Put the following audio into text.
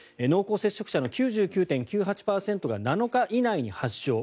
濃厚接触者の９９．９８％が７日以内に発症。